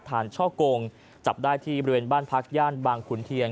ช่อกงจับได้ที่บริเวณบ้านพักย่านบางขุนเทียน